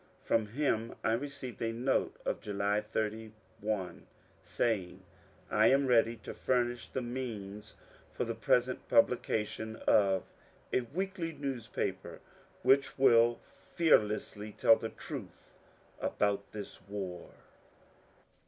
From him I received a note of July 81, saying, ^^ I am ready to furnish the means for the present publication of a weekly newspaper which will fearlessly tell the truth about this war."